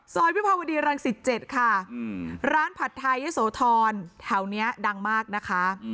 ซอยพี่ภาวดีรังศิษย์๗ค่ะร้านผัดไทยเย้โสธรแถวนี้ดังมากนะคะ